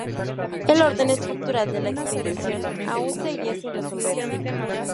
El orden estructural de la expedición aún seguía sin resolverse.